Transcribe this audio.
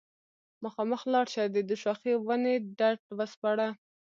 مخامخ لاړه شه د دوشاخې ونې ډډ وسپړه